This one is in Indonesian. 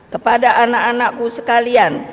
kepada anak anakku sekalian